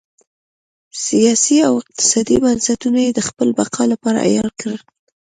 سیاسي او اقتصادي بنسټونه یې د خپلې بقا لپاره عیار کړل.